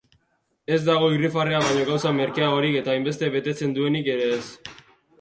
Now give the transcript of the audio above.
Ez dago irrifarrea baino gauza merkeagorik eta hainbeste betetzen duenik ere ez.